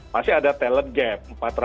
masih ada talent gap empat ratus